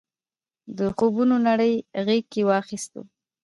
د خوبونو نړۍ غېږ کې واخیستو.